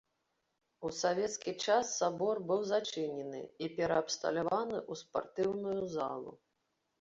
У савецкі час сабор быў зачынены і пераабсталяваны ў спартыўную залу.